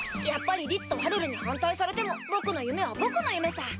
やっぱり律とはるるに反対されても僕の夢は僕の夢さ。